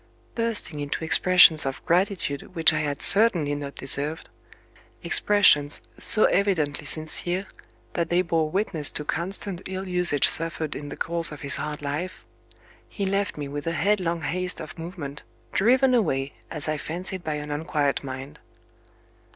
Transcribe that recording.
Bursting into expressions of gratitude which I had certainly not deserved expressions, so evidently sincere, that they bore witness to constant ill usage suffered in the course of his hard life he left me with a headlong haste of movement, driven away as I fancied by an unquiet mind.